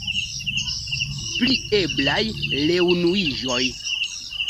Pri eblaj reunuiĝoj.